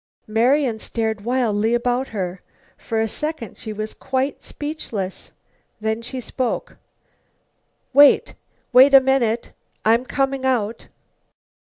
Marian stared wildly about her. For a second she was quite speechless. Then she spoke: "Wait wait a minute; I'm coming out."